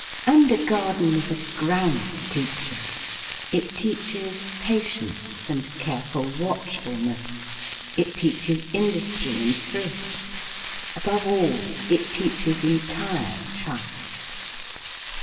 And a garden is a grand teacher. It teaches patience and careful watchfulness; it teaches industry and thrift; above all, it teaches entire trust.